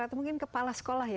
atau mungkin kepala sekolah ya